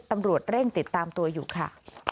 ตำรวจเร่งติดตามตัวอยู่ค่ะ